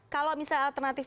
kalau misalnya alternatif